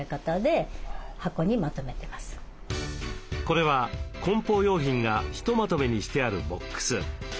これは梱包用品がひとまとめにしてあるボックス。